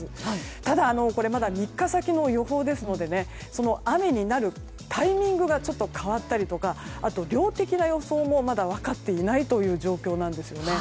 ただ、これまだ３日先の予報ですので雨になるタイミングがちょっと変わったりとかあと量的な予想もまだ分かっていない状況です。